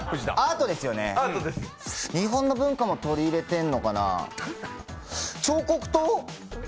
日本の文化も取り入れてんのかな？